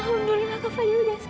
alhamdulillah kak fadil sudah sadar